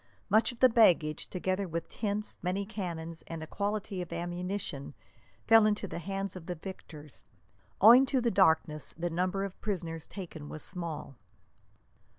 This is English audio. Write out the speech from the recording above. Much of the baggage, together with tents, many cannon, and a quantity of ammunition, fell into the hands of the victors. Owing to the darkness, the number of prisoners taken was small.